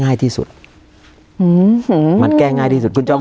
การแสดงความคิดเห็น